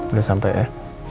udah sampai ya